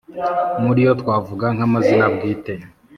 muri yo twavuga nk’amazina bwite